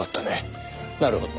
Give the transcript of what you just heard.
なるほど。